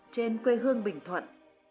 trên quê hương bình thuận